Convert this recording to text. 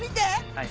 はい。